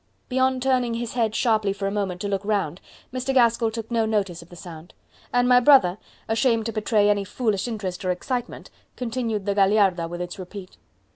Beyond turning his head sharply for a moment to look round, Mr. Gaskell took no notice of the sound; and my brother, ashamed to betray any foolish interest or excitement, continued the Gagliarda, with its repeat.